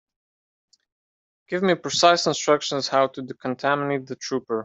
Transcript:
Give me precise instructions how to decontaminate the trooper.